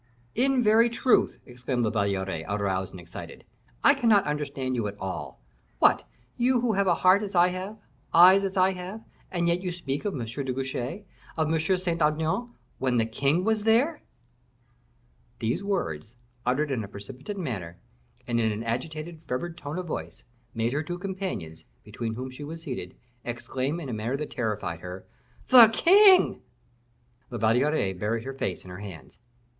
"In very truth," exclaimed La Valliere, aroused and excited; "I cannot understand you at all. What! you who have a heart as I have, eyes as I have, and yet you speak of M. de Guiche, of M. de Saint Aignan, when the king was there." These words, uttered in a precipitate manner, and in an agitated, fervid tone of voice, made her two companions, between whom she was seated, exclaim in a manner that terrified her, "The king!" La Valliere buried her face in her hands.